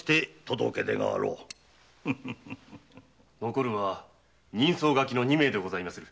残るは人相書きの二名でございまする。